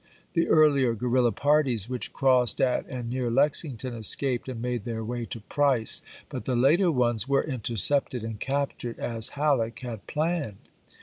The earlier guerrilla parties which crossed at and near Lexington escaped and made their way to Price, but the later ones were intercepted and captured as Halleck had planned.